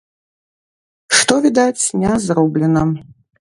Што, відаць, не зроблена.